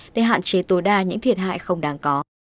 để hạn chế tối đa những thiệt hại không đáng có